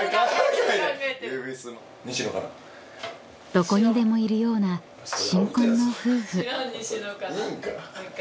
［どこにでもいるような新婚の夫婦］